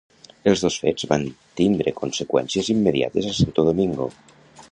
Els dos fets van tindre conseqüències immediates a Santo Domingo.